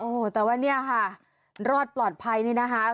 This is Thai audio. โอ้โหแต่ว่าเนี่ยค่ะรอดปลอดภัยนี่นะคะ